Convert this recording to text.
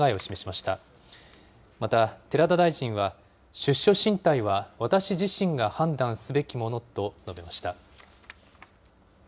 また、寺田大臣は出処進退は私自身が判断すべきものと述べました。